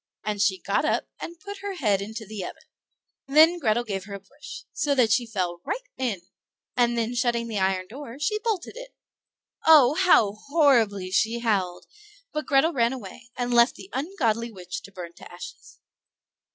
and she got up and put her head into the oven. Then Grethel gave her a push, so that she fell right in, and then shutting the iron door, she bolted it. Oh! how horribly she howled; but Grethel ran away, and left the ungodly witch to burn to ashes.